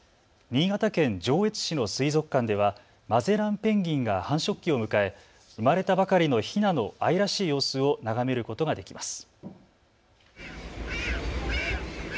新潟県上越市の水族館ではマゼランペンギンが繁殖期を迎え生まれたばかりのひなの愛らしい様子を眺めることができます。